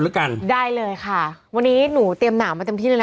แล้วกันได้เลยค่ะวันนี้หนูเตรียมหนาวมาเต็มที่เลยนะ